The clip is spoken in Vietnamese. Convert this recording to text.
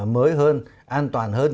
mới hơn an toàn hơn